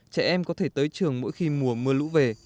trẻ em có thể tới trường mỗi khi mùa mưa lũ về